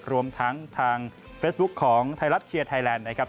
รวมทั้งทางเฟซบุ๊คของไทยรัฐเชียร์ไทยแลนด์นะครับ